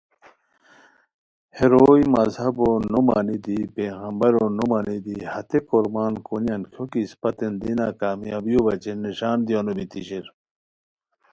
ہے روئے اسپہ مذہبو نو مانی دی، پیغمبرو نومانی دی ہتے کورمان کونیان کھیوکی اسپتین دینہ کامیابیو بچین نݰان دیونو بیتی شیر